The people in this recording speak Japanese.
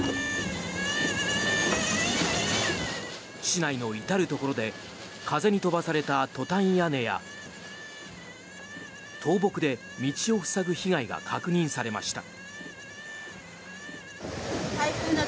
市内の至るところで風に飛ばされたトタン屋根や倒木で道を塞ぐ被害が確認されました。